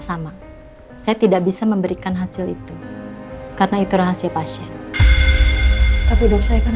sama saya tidak bisa memberikan hasil itu karena itu rahasia pasien tapi dosa akan